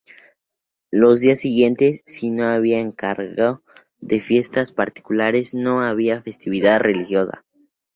Los días siguientes, si no había encargo de fiestas particulares, no había festividad religiosa.